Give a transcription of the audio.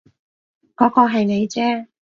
嗰個係你啫